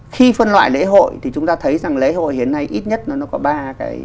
khi phân loại lễ hội thì chúng ta thấy rằng lễ hội hiện nay ít nhất nó có ba cái